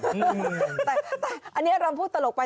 แต่อันนี้อารมณ์พูดตลกไป